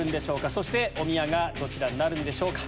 そしておみやがどちらになるんでしょうか？